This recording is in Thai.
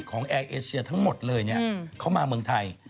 แอร์เอเชียทั้งหมดเลยเขามาเมืองไทย